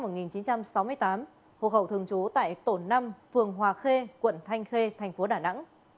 terre mèo tàu high shipping hồ hậu thường chú tại tổi năm phường hòa khê quận thanh khê thành phố đà nẵng